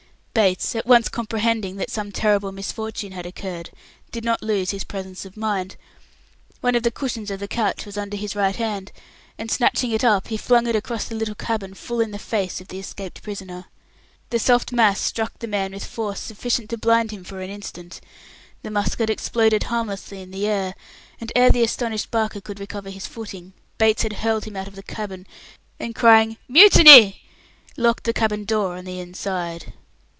Bates, at once comprehending that some terrible misfortune had occurred, did not lose his presence of mind. One of the cushions of the couch was under his right hand, and snatching it up he flung it across the little cabin full in the face of the escaped prisoner. The soft mass struck the man with force sufficient to blind him for an instant. The musket exploded harmlessly in the air, and ere the astonished Barker could recover his footing, Bates had hurled him out of the cabin, and crying "Mutiny!" locked the cabin door on the inside.